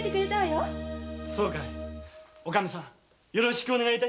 よろしくお願い。